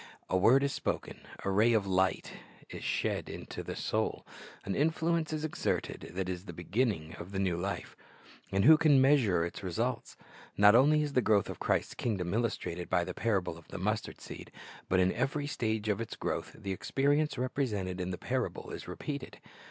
A word is spoken, a ray of light is she^. into the soul, an influence is exerted that is the beginning of the new life; and who can measure its results? Not only is the growth of Christ's kingdom illustrated by the parable of the mustard seed, but in every stage of its growth the experience represented in the parable is repeated.